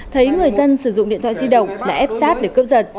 thấy người dân sử dụng điện thoại di động là ép sát để cướp giật